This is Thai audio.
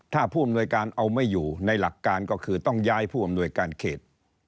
ถ้าผู้อำนวยการเอาไม่อยู่ในหลักการก็คือต้องย้ายผู้อำนวยการเขต